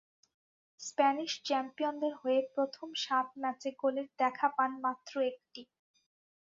Spanish চ্যাম্পিয়নদের হয়ে প্রথম সাত ম্যাচে গোলের দেখা পান মাত্র একটি।